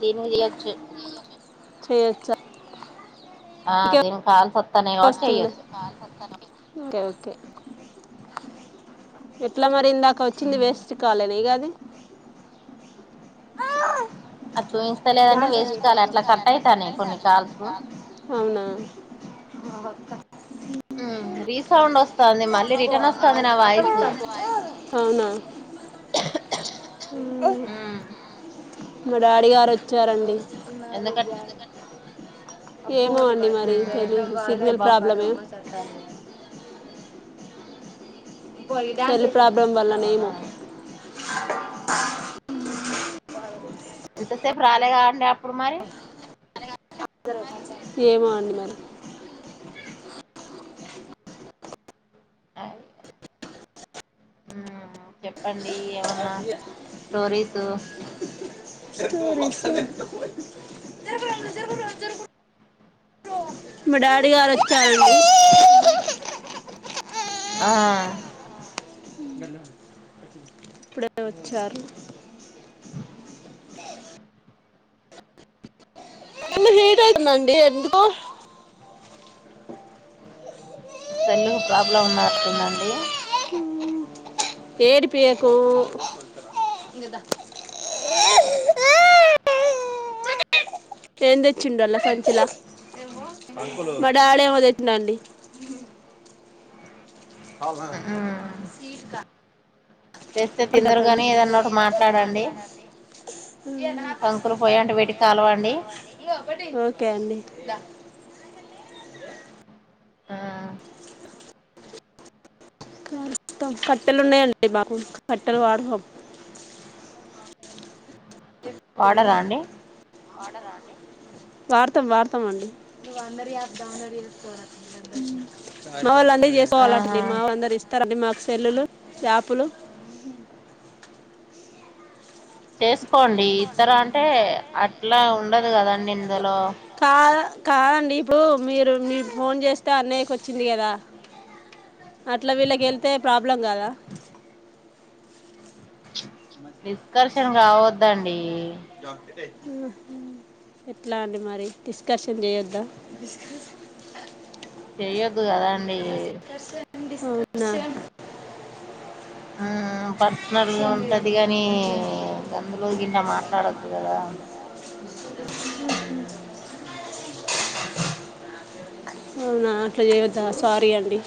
తిను జేయచు చెయచ్చా ఆ అదేం కాల్స్ అత్ ఒస్తుంది తే ఓకే ఎట్ల మరిందాక్ క వచ్చింది వేస్ట్ కాలేదు ఇగద్ అది చూయిస్తలేదంటే ఎ వేస్ట్ కాల్ అట్లా కట్ అయితాన్నాయి కొన్ని బాగుంటాది కాల్స్ [unintelligible] అవునా ఆ ఒక్క హ్మ్ రీ సౌండ్ వస్ అవునా హ్మ్ ఉమ్ మా డాడీ గారు వచ్చారండి చూస్తున్నారు ఎందుకట్లా డాడీ ఏమో అండి మరి ఉమ్ తెలీదు హెల్త్ సిగ్నల్ బా ప్రాబ్లమే పోల్డాల్ ప్రాబ్లెమ్ అవునా వాళ్ళనేమో ఇంతసేపు రాలే కాండి అప్పుడు మరి ఏమో అండి మరి ఆయ్ ఉమ్మ చెప్పండి ఏమన్ మా స్టోరీస్ దో జరకు జ జరు మ డాడి గారొచ్చారు ఆ ఇప్పుడే వచ్చారు ఏమైనా లేట్ అవుతుండి సెల్లుకు ప్రాబ్లం ఉన్నట్టుందండి ఏడిపియ్యకు ఇంగ దా ఏం తెచ్చిండు ఆళ్ల సంచలా మా డాడ్ ఏమో తెచ్చినండి ఉమ్ తెస్తే తిందురు అటండి కాని ఏదన్నా ఒకటి మాట్లాడండి కంకులు పోయాంటి పెట్టి కాలవండి ఓకే అండి ఆ కట్ట కట్టెలు ఉన్నాయండి బాబు కట్టెలు వాడహం వాడరా అండి వాడతాం వాడతాం అండి మా వాళ్ళ అందరూ చేసుకోవాల ఆహా అండి మా వాళ్ అందరు ఇస్తారండి మా సెల్లులు షాపులు చేసుకోండి ఇతర అంటే అట్లా ఉండదు కదండి ఇందులో కాదండీ ఇప్పుడు మీరు మీ ఫోన్ చేస్తే అన్నయ్యకి వచ్చింది కదా అట్లా వీళ్ళకి వెళ్తే ప్రాబ్లం కాదా డిస్కర్షన్ కావద్దండి మ్మ్ హ్మ్ ఎట్లా అండి మరి డిస్కషన్ చేయొద్దా చెయ్యొద్దు కదా అండి అవునా ఆ ప సనలుగా ఉంటది గానీ గందులో గింత మాట్లాడద్దు కదా మ్మ్ హ్మ్ అవునా అట్లా చేయొద్దా సారీ అండి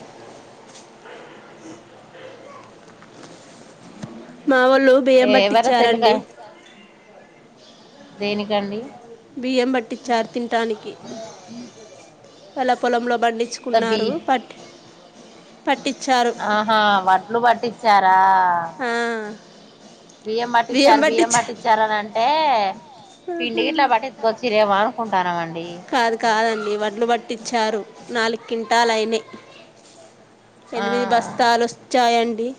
మా వాళ్ళు బియ్యం ఎవరి సెల్లుకా బట్టిచ్చారండి దేనికండి బియ్యం పట్టిచ్చారు తిన్ టానికి అలా పొలంలో ద బి బండిచ్చుకున్నారు బట్ ఆహా వడ్లు పట్టిచ్చారా అ ఆ బియ్యం పట్టిచారు బియ్యం పట్టిచారు ఇచ్చారని అంటే పిండి గిట్లా హమ్మ్ పట్టించుకొచ్చిరేమో అనుకుంటానమండి కాదు కాదండి వడ్లు పట్టించారు నాలు కింటాలైనీ ఆ ఎనిమిది బస్తాలు వచ్చాయం డి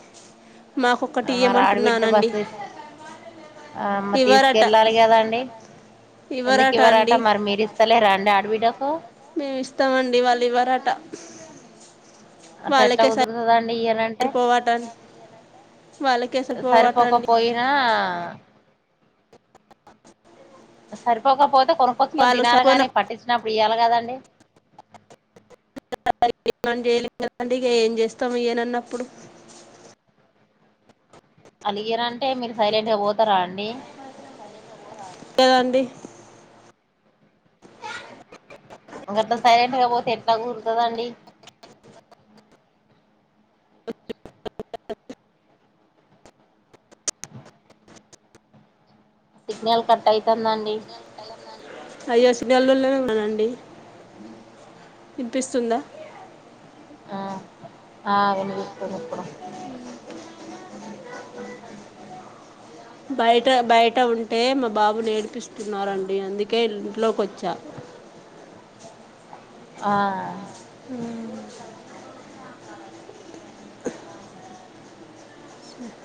ఆ మ రా ఆడిబిట్టే బస ఆ అమ్మ ఇవ్వరట తీసుకెళ్ళాలి కదాండి ఎందుకు ఇవ్వరట ఇవరట అండి మరి మీరు ఇస్తలే రండి ఆడబిడ్డకు మేం ఇస్తమండి వాళ్ళు ఇవ్వరట అట్ట ఎట్ల వాళ్ళకే కుదిర్తద ఇయాలంటే సరిపోవటండి వాళ్ళకే సరిపోవటండి సరిపోకపోయినా సరిపోకపోతే కొన్నుకొచ్చి వాళ్ళు థీనాలీ గాని పట్టించినప్పు ప్రియాల కదండి మం ఏం జేయలేం కదండి ఇగ ఏం చేస్తాము ఇయనన్నప్పుడు అలిగర అంటే మీరు సైలెంట్గా పోతారా అండి కదండీ గట్ల సైలెంట్ గా బో త ఎట్ల కూర్తదాండి సిగ్నల్ కట్ అయితందండి అయ్యో సిగనల్లు లేవండి వినిపిస్తుందా ఆ ఆ వినిపిస్తుంది ఇప్పుడు బయట బయట ఉంటే మా బాబు నీ ఎడిపిస్తునారండి అందుకే ఇంట్లోకి వచ్చా ఆ మ్మ్ స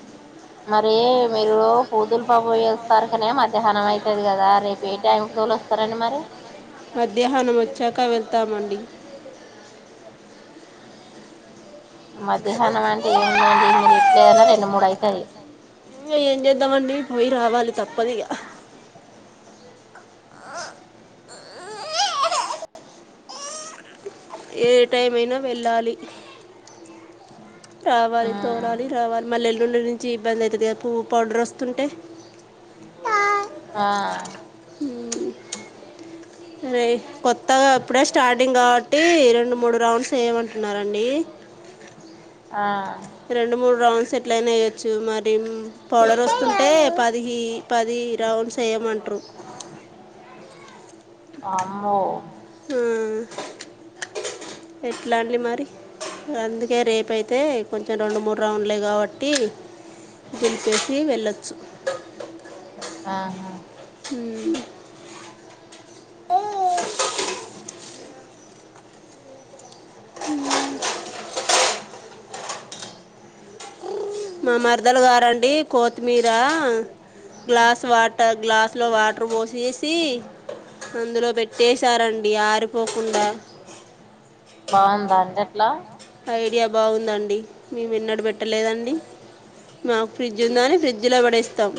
మరి మీరు పూతులు ప పోయి ఓస్తారు కానే మధ్యాహ్నం అయితది కదా రేపు ఎ టైమ్ కి తోలు వోస్తారండి మరి మధ్యాహ్నం వచ్చాక వెళ్తామండి మధ్యాహ్నం అంటే ఏముందండి మీరు ఎట్లా అయినా రెండు మూడు అయితది ఏం చేద్దామండి పోయి రావాలి తప్పది ఇగ ఏ టైం అయినా వెళ్ళాలి రావాలి మ్మ్. తోలలి రావాలి మళ్ళీ డు రోజుల్ నుంచి ఇబ్బంది అయితుంది కదా పువ్వు పౌడర్ వస్తుంటే ఆ మ్మ్ ఏ కొత్ తాగ అప్పుడే స్టార్ట్ టింగ్ కాబట్టి రెండు మూడు రౌండ్స్ వేయమంటున్నారండి ఆ రెండు మూడు రౌండ్స్ ఎట్లయిన ఎయ్యొచ్చు మరి పౌడర్ వస్తుంటే పది పది రౌండ్స్ వయమంటూరు అమో ఎట్లాడి మరి అందుకే రేపూ అయితే కొంచెం రెండు మూడు రౌండ్లే కాబట్టి గెలిసేసి వెళ్ళొచ్చ ఆహా హుమ్ మా మరదలు గారండి కొత్తిమీర గ్లాస్ వాటర్ గ్లాసులో వాటర్ పోసేసి అందులో పెట్టెసారండి ఆరిపోకుండా బాగుందా అండి అట్లా ఐడియా బాగుందండి మేము ఎన్నడ పెట్టలేదండి మాకు ఫ్రిడ్జ్ ఉందాని ఫ్రిడ్జ్ లో పడేస్తాం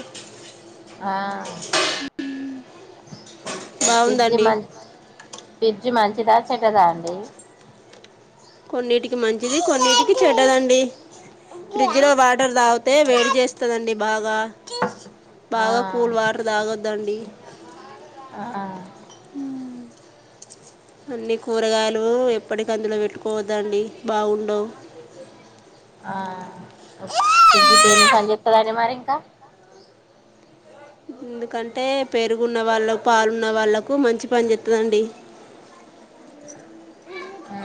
ఆ ఫ్రిడ్జ్ బాగుందండి మన్ ఫ్రిజ్ మంచిదా చెడ్డదా అండి కొన్నిటికి మంచిది కొన్నిటికి చెడ్డదండి ఫ్రిడ్జ్లో వాటర్ తాగితే వేడి చేస్తదండి బాగా ఆ బాగా కూల్ వాటర్ తాగొద్దండి ఆ అన్ని కూరగాయలు ఎప్పటికి అందులో పెట్టుకోవద్దండి బాగుండవ్ ఆ ఫడ్జి దేనికి పని చేతదండి మరి ఇంకా ఎందుకంటే పెరుగున్న వాళ్ళకు పాలున్న వాళ్ళలకు మంచి పని చెతదండి ఆ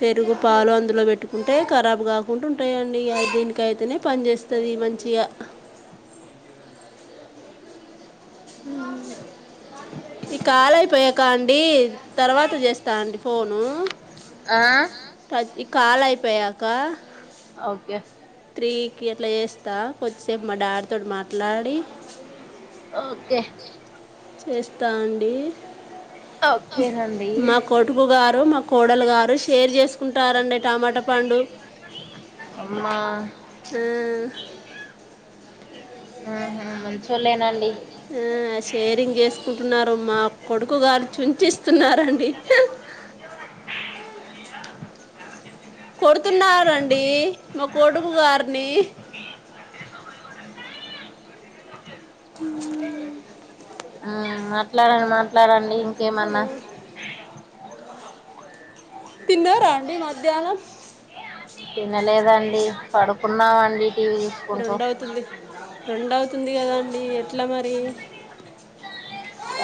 పెరుగు పాలు అందులో వేట్టుకుంటే ఖరాబ్ కాకుండా ఉంటాయండి దీనికి అయితేనే పని చేస్తది మంచిగా ఈ కాలయిపోయాక అండి తర్వాత చేస్తా అండి ఫోను ఆ ఈ కాలు అయిపోయాక ఓకే తీ కి అట్లా చేస్తా కొద్దిసేపు మా డాడీ తోటి మాట్లాడి ఓకే చేస్తా అండి ఓకేనండి మా కొడుకు గారు మాకు కోడలు గారు షేర్ చేసుకుంటారండి టమాటా పండు అమ్మా ఆ, మ్మ్ హు మంచోళ్ళేనండి ఆ షేరింగే చేసుకుంటున్నా మా కొడుకు గారు చుంచి ఇస్తున్నారండి కొడుతున్న రండి మా కోడుకు గారిని హమ్ ఆమ్ మాట్లాడు మాట్లాడండి ఇంకేమన్నా తిన్నారా అండి మధ్యాహ్నం తినలేదండి పడుకున్నామండి టీవీ చూసుకుంటూ తుంది కదా అండి ఎట్లా మరి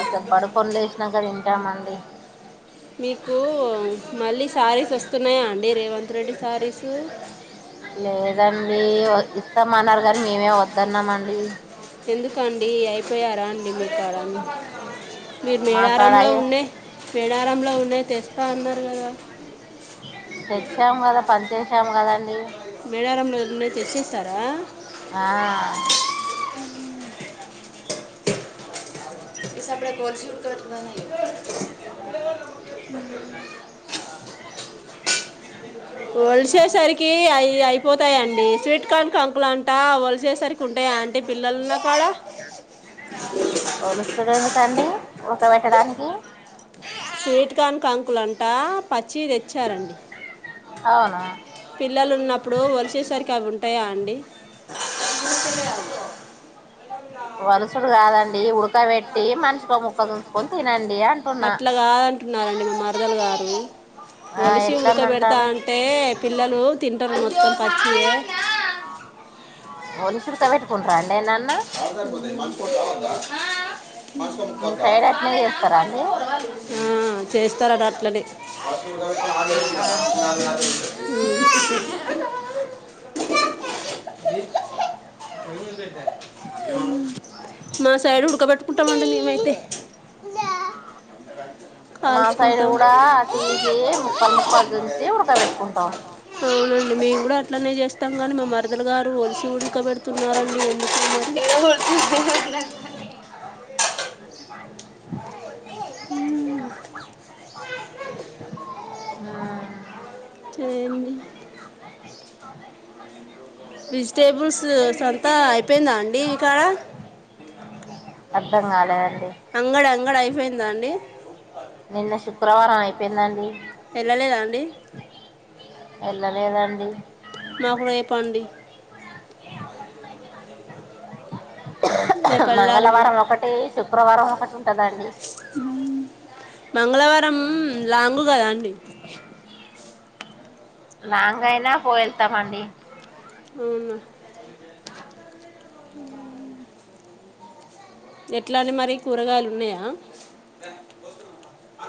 అసలు బడి పనులు చేసినంకా తింటామండి మీకు మళ్ళీ శారీస్ వస్తున్నాయా అండి రేవంత్ రెడ్డి శారీసు లేదండి ఇస్తామన్నారు కానీ మేమే వద్దన్నామ అం [unintelligible] ఎందుకండి అయిపోయారా అండి మీట్ కారం మీరు మా కాడ మేడారంలో ఉనే మేడారంలో ఉన్నాయి తెస్త రా అన్నారు కదా తెచ్చాము కదా పని చేశాము కదండి ఏడారంలో ఉన్నాయి తెపిస్తారా ఆ వలిసేసరికి అయి అయిపోతాయండి స్వీట్ కార్న్ కాంకులు అంటా వలసేసరికి ఉంటాయా అంటే పిల్లల్లో కూడా వోలుస్తడా కండి ఊడక బెట్టడానికి స్వీట్ కార్న్ కాంకులుంటా పచ్చి తెచ్చారండి అవును పిల్లలు ఉన్నప్పుడు వలసేసరికి అవి ఉంటాయా అండి వలసుడు కాదండి ఉడకబెట్టి మనిషికి ఓ ముక్క తుంచుకొని తినండి ఇయా అంటున్నా అంటున్నారండి మీ మరదలు గారు ఆ వొలిసి ఎట్లని ఉడకబేడతా అంటారు అంటే పిల్లలు తి ట్టర్ మొత్తం పచ్చియే వొలిసి ఉడక బెట్టు కుంటరాండి ఆడదాకపోతే మంచుకోట కావద్దా ఆ మీ సైడ్ అట్నే చేస్తారా అండి చేస్ స్థారట అట్లనే ఆహా హ్మ హ్ మా సైడ్ ఉడకబెట్టుకుంటామండి మేమైతే మా సైడ్ కాల్చుకుంటాం కూడా తీసి ముక్కల్ ముక్కల్ దంచి ఉడకబెట్టుకుంటాం అ మేము గూడా అట్లనే చేస్తాం కాగానీ మా మరదలు గారు ఒలిసి ఉడక పెడుతున్న ఎందుకో మరి హ్మ ఉమ్ చేయండి విజిటేబుల్స్ సంతా అయిపోయిందా అండి ఇకాడ అర్ధం కాలేదండి దండి నిన్న శుక్రవారం అయిపెందండి వెళ్ళలేదా అండి ఎల్లా లేదా అండి మాకు రేపండి రేపు వెళ్ళాలి మేము మంగళవారం ఒకటి శుక్రవారం ఒకటి ఉంటుందండి మంగళవారం లాంగు కదా అండి లాంగ అయినా పో వెళ్తామండి అవునా ఉ ఎట్లండి మరి కూరగాయలు ఉన్నాయా